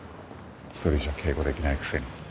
一人じゃ警護できないくせに。